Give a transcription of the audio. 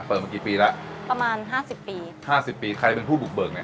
มากี่ปีแล้วประมาณห้าสิบปีห้าสิบปีใครเป็นผู้บุกเบิกเนี่ย